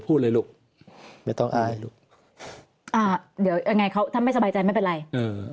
พูดเลยลูกไม่ต้องอายลูกอ่าเดี๋ยวยังไงเขาถ้าไม่สบายใจไม่เป็นไรอืม